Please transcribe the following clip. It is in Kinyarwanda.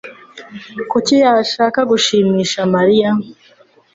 Kuki yashaka gushimisha Mariya?